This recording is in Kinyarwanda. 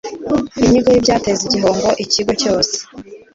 inyigo y’ibyateza igihombo ikigo cyose